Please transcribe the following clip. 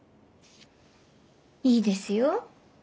いいですよ。